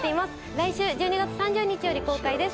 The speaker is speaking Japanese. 来週１２月３０日より公開です